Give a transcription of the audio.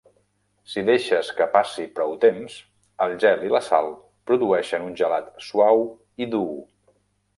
Si deixes que passi prou temps, el gel i la sal produeixen un gelat suau i "dur".